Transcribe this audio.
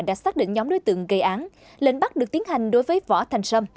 đã xác định nhóm đối tượng gây án lệnh bắt được tiến hành đối với võ thành sâm